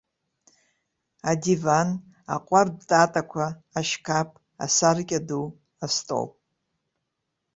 Адиван, аҟәардә татақәа, ашькаԥ, асаркьа ду, астол.